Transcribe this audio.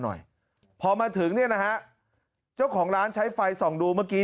หน่อยพอมาถึงเนี่ยนะฮะเจ้าของร้านใช้ไฟส่องดูเมื่อกี้